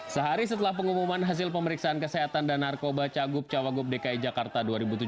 sehari setelah pengumuman hasil pemeriksaan kesehatan dan narkoba cagup cawagup dki jakarta dua ribu tujuh belas